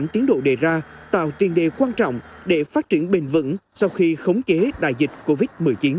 tiến độ đề ra tạo tiền đề quan trọng để phát triển bền vững sau khi khống chế đại dịch covid một mươi chín